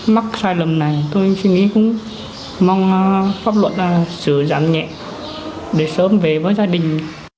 mắc sai lầm này tôi suy nghĩ cũng mong pháp luận là sửa giảm nhẹ để sớm về với gia đình